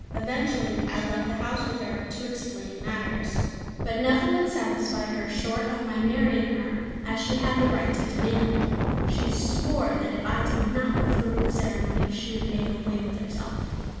Eventually I left the house with her, to explain matters. But nothing would satisfy her short of my marrying her, as she had the right to demand. She swore that if I did not go through with the ceremony, she would make away with herself.